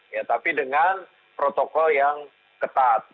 ya tapi dengan protokol yang ketat